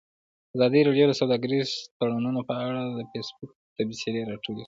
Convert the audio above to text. ازادي راډیو د سوداګریز تړونونه په اړه د فیسبوک تبصرې راټولې کړي.